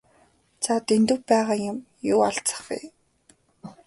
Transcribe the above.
За Дэндэв байгаа юм юу алзах вэ?